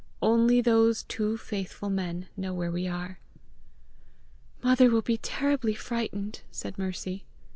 Only those two faithful men know where we are." "Mother will be terribly frightened!" said Mercy.